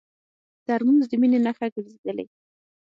ترموز د مینې نښه ګرځېدلې.